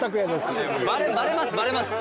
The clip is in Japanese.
バレますバレます。